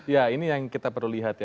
ya ini yang kita perlu lihat ya